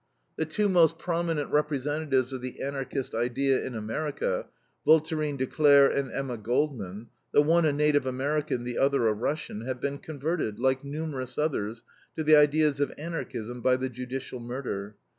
The two most prominent representatives of the Anarchist idea in America, Voltairine de Cleyre and Emma Goldman the one a native American, the other a Russian have been converted, like numerous others, to the ideas of Anarchism by the judicial murder.